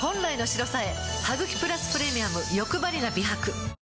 「ハグキプラスプレミアムよくばりな美白」